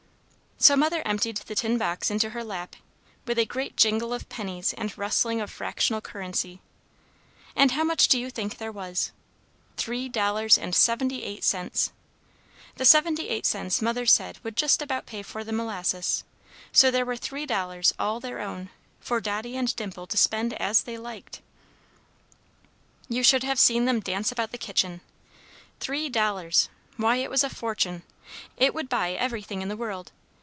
So Mother emptied the tin box into her lap, with a great jingle of pennies and rustling of fractional currency. And how much do you think there was? Three dollars and seventy eight cents! The seventy eight cents Mother said would just about pay for the molasses; so there were three dollars all their own, for Dotty and Dimple to spend as they liked! You should have seen them dance about the kitchen! Three dollars! Why, it was a fortune! It would buy everything in the world!